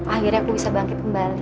akhirnya aku bisa bangkit kembali